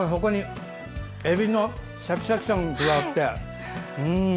えびのシャキシャキ感も加わって。